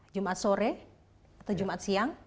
jumat sore atau jumat siang